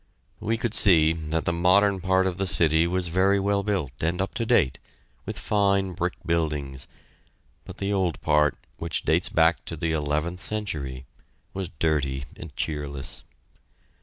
We could see that the modern part of the city was very well built and up to date, with fine brick buildings, but the old part, which dates back to the eleventh century, was dirty and cheerless.